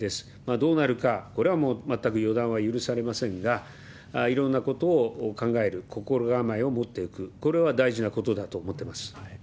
どうなるか、これはもう、全く予断は許されませんが、いろんなことを考える心構えを持っておく、これは大事なことだと思っております。